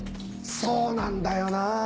そうなんだよな。